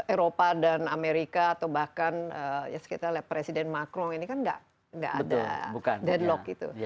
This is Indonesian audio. eropa dan amerika atau bahkan sekitar presiden macron ini kan gak ada deadlock itu